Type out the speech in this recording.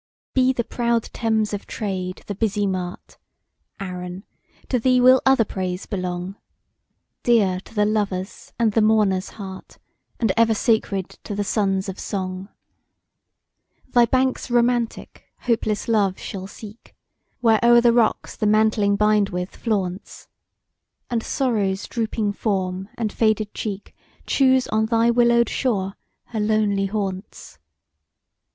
BE the proud Thames of trade the busy mart! Arun! to thee will other praise belong; Dear to the lover's and the mourner's heart, And ever sacred to the sons of song! Thy banks romantic hopeless Love shall seek, Where o'er the rocks the mantling bindwith flaunts; And Sorrow's drooping form and faded cheek Choose on thy willow'd shore her lonely haunts.